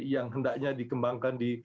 yang hendaknya dikembangkan di